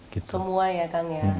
semua ya kang ya